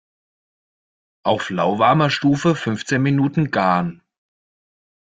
Auf lauwarmer Stufe fünfzehn Minuten garen.